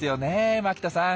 お牧田さん！